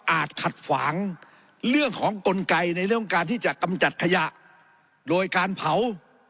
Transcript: ขัดขวางเรื่องของกลไกในเรื่องการที่จะกำจัดขยะโดยการเผา